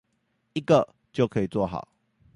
一個就可以做好